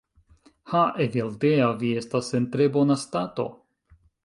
Ha! Evildea, vi estas en tre bona stato.